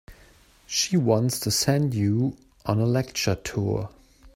She wants to send you on a lecture tour.